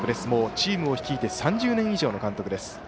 もうチームを率いて３０年以上の監督です。